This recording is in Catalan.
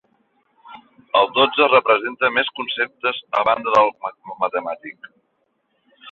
El dotze representa més conceptes a banda del matemàtic.